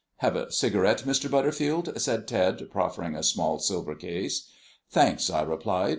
"Have a cigarette, Mr. Butterfield?" said Ted, proffering a small silver case. "Thanks," I replied.